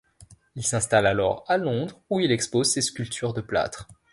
Il s'installe alors à Londres où il expose ses sculptures de plâtre.